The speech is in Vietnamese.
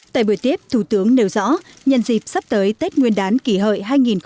tại buổi tiếp thủ tướng nêu rõ nhân dịp sắp tới tết nguyên đán kỷ hợi hai nghìn một mươi chín